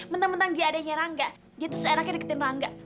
mentang mentang dia adanya rangga gitu seenaknya deketin rangga